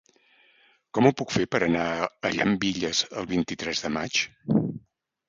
Com ho puc fer per anar a Llambilles el vint-i-tres de maig?